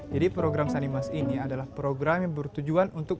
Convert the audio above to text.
jadi program sanimas ini adalah program yang bertujuan untuk